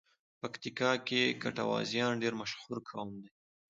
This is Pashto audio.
پکیتیکا کې ګټوازیان ډېر مشهور قوم دی.